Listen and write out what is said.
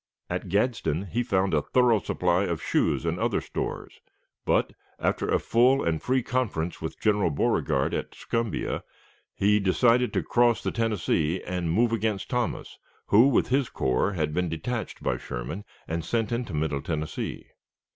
At Gadsden he found a thorough supply of shoes and other stores, but, after a full and free conference with General Beauregard at Tuscumbia, he decided to cross the Tennessee and move against Thomas, who with his corps had been detached by Sherman and sent into Middle Tennessee.